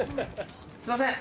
すいません。